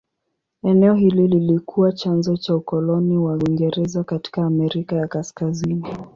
Eneo hili lilikuwa chanzo cha ukoloni wa Uingereza katika Amerika ya Kaskazini.